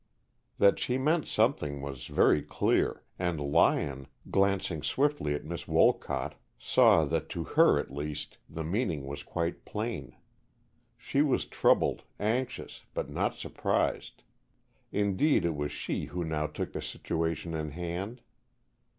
That she meant something was very clear, and Lyon, glancing swiftly at Miss Wolcott, saw that to her, at least, the meaning was quite plain. She was troubled, anxious, but not surprised. Indeed, it was she who now took the situation in hand.